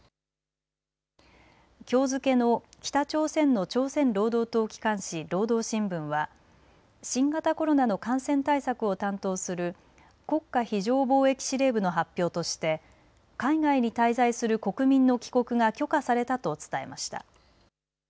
きょう付けの北朝鮮の朝鮮労働党機関紙、労働新聞は新型コロナの感染対策を担当する国家非常防疫司令部の発表として海外に滞在する国民の帰国が許可されたと伝えました。